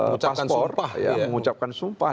paspor mengucapkan sumpah